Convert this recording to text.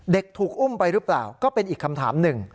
ถูกอุ้มไปหรือเปล่าก็เป็นอีกคำถามหนึ่ง